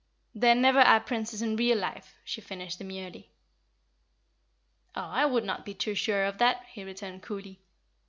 "There never are princes in real life," she finished, demurely. "Oh, I would not be too sure of that," he returned, coolly.